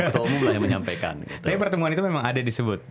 tapi pertemuan itu memang ada disebut